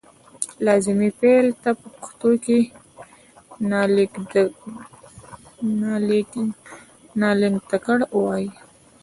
لازمي فعل ته په پښتو کې نالېږندکړ وايي.